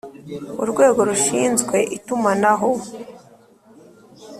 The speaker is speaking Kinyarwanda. Urwego rushinzwe itumanaho